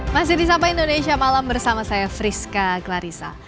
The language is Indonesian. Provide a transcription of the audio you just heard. masih disapa indonesia malam bersama saya friska clarissa